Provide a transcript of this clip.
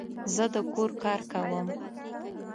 زه د کور کار کوم